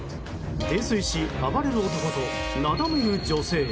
泥酔し暴れる男となだめる女性。